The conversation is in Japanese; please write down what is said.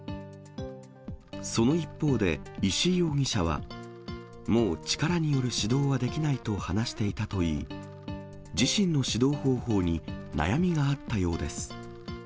その一方で、石井容疑者は、もう力による指導はできないと話していたといい、自身の指導方法に悩みがあったようです。